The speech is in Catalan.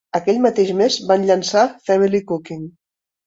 Aquell mateix mes, van llançar "Family Cooking".